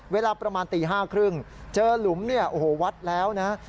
เวลาประมาณตี๕๓๐เจอหลุมเนี่ยโอ้โหวัดแล้วนะ